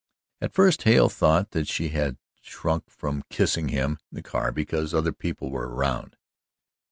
At first Hale thought that she had shrunk from kissing him in the car because other people were around.